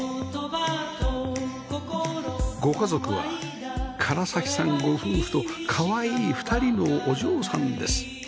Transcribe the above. ご家族は唐さんご夫婦とかわいい２人のお嬢さんです